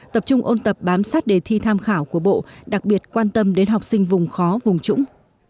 tập trung ôn tập bám sát đề thi tham khảo của bộ đặc biệt quan tâm đến học sinh vùng khó vùng trũng